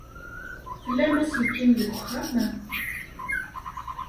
Tlam aselkim deg uxxam?